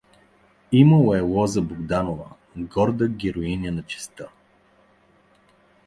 Имало е Лоза Богданова, горда героиня на честга.